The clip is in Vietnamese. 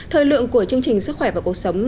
thời lượng của chương trình sức khỏe và cuộc sống